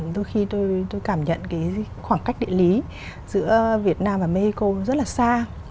đôi khi tôi cảm nhận khoảng cách địa lý giữa việt nam và mexico rất là xa